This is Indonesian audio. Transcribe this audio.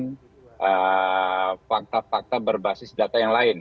dengan fakta fakta berbasis data yang lain